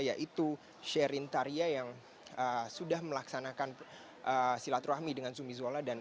yaitu sherin taria yang sudah melaksanakan silaturahmi dengan zumi zola